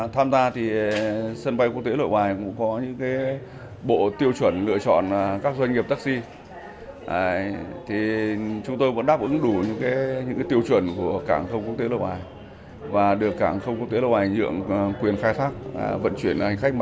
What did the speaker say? trong khi để được nhượng quyền khai thác các hãng taxi đang phải tuân thủ quy định mà cảng hàng không quốc tế nội bài đưa ra thì quyền lợi của hãng vẫn chưa được bảo đảm